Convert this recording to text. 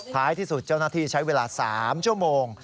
ท้ายที่สุดเจ้าหน้าที่ใช้เวลา๓ชั่วโมง